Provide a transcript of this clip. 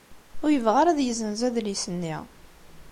Ur yebɣa ara ad yezzenz adlis-nni